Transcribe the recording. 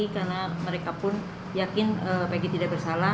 karena mereka pun yakin pg tidak bersalah